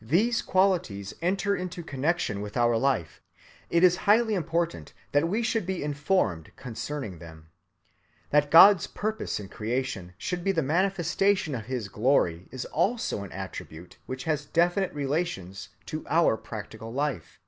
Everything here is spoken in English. These qualities enter into connection with our life, it is highly important that we should be informed concerning them. That God's purpose in creation should be the manifestation of his glory is also an attribute which has definite relations to our practical life.